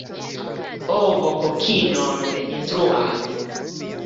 Ovo kokinon ne instruas.